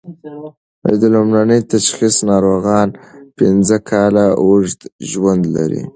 د لومړني تشخیص ناروغان پنځه کاله اوږد ژوند لري.